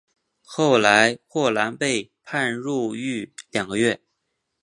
后来霍兰被判入狱两个月。